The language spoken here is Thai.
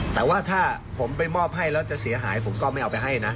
แต่ว่าถ้าผมไปมอบให้แล้วจะเสียหายผมก็ไม่เอาไปให้นะ